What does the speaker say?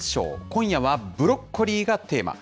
今夜はブロッコリーがテーマ。